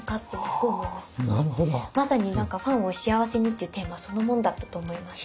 まさに「ファンをしあわせに」っていうテーマそのものだったと思います。